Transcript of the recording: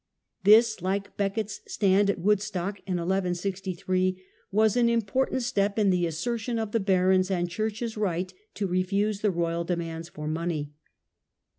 This, like Becket's stand at Woodstock in 1163, was an important step in the asser tion of the barons' and church's right to refuse the royal demands for money.